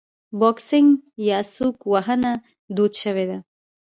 بوکسینګ یا سوک وهنه دود شوې ده.